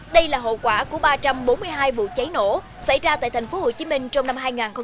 đây là hậu quả của ba trăm bốn mươi hai vụ cháy nổ xảy ra tại tp hcm trong năm hai nghìn một mươi chín